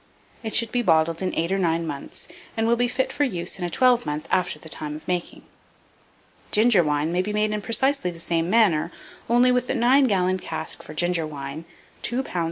It should be bottled in 8 or 9 months, and will be fit for use in a twelve month after the time of making. Ginger wine may be made in precisely the same manner, only, with the 9 gallon cask for ginger wine, 2 lbs.